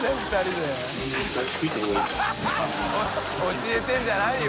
教えてるんじゃないよ。